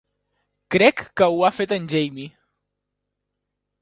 Crec que ho ha fet en Jamie.